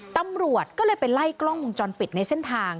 ตำรวจก็เลยไปไล่กล้องวงจรปิดในเส้นทาง